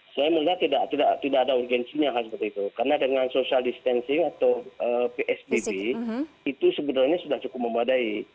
saya melihat tidak ada urgensinya hal seperti itu karena dengan social distancing atau psbb itu sebenarnya sudah cukup memadai